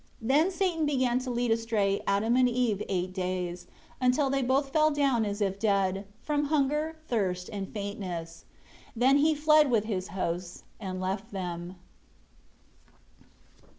12 Then Satan began to lead astray Adam and Eve eight days, until they both fell down as if dead, from hunger, thirst, and faintness. Then he fled with his hosts, and left them.